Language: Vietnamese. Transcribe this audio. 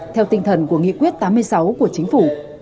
theo tinh thần của nghị quyết tám mươi sáu của chính phủ